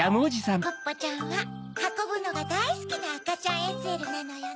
ポッポちゃんははこぶのがだいすきなあかちゃんＳＬなのよね。